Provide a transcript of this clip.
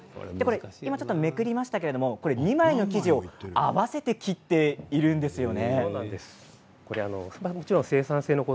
今めくりましたけれど２枚の生地を合わせて切っているんですね。